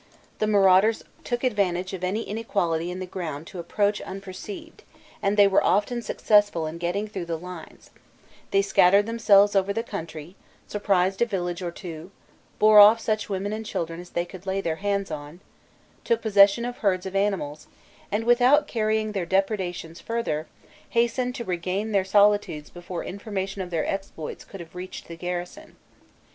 The marauders took advantage of any inequality in the ground to approach unperceived, and they were often successful in getting through the lines; they scattered themselves over the country, surprised a village or two, bore off such women and children as they could lay their hands on, took possession of herds of animals, and, without carrying their depredations further, hastened to regain their solitudes before information of their exploits could have reached the garrison.